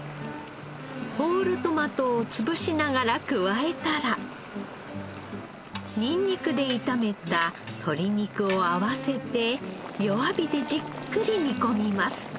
ホールトマトをつぶしながら加えたらニンニクで炒めた鶏肉を合わせて弱火でじっくり煮込みます。